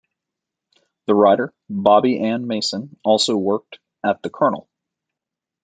The writer Bobbie Ann Mason also worked at the "Kernel".